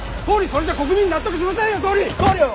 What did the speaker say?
それじゃ国民納得しませんよ